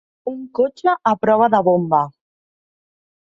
Un cotxe a prova de bomba.